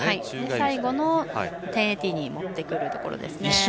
最後の１０８０に持ってくるところですね。